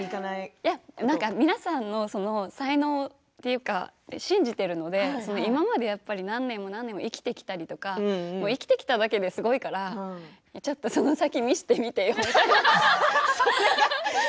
皆さんの才能というか信じているので今まで何年も生きてきたりとか生きてきただけですごいからちょっとその先見せてみてよ、という。